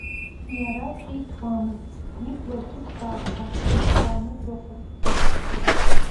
Иара ҿиҭуамызт, ибла гәыҭбаақәа ҵыршәааны дрыхәаԥшуан…